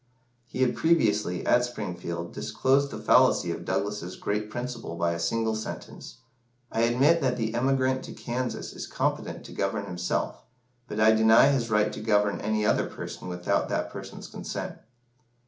He had previously, at Springfield, disclosed the fallacy of Douglas's "great principle" by a single sentence. "I admit that the emigrant to Kansas is competent to govern himself, but I deny his right to govern any other person without that person's consent."